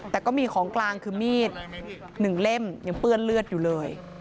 แต่ก็มีของกลางคือมีด๑เล่มยังเปื้อนเลือดอยู่เลย